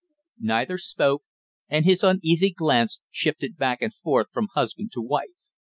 Neither spoke, and his uneasy glance shifted back and forth from husband to wife.